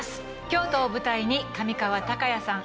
京都を舞台に上川隆也さん